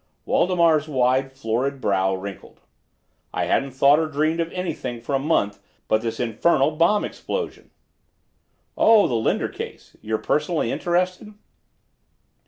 Waldemar's wide, florid brow wrinkled. "I haven't thought or dreamed of anything for a month but this infernal bomb explosion." "Oh, the Linder case. You're personally interested?"